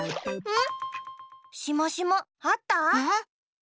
ん？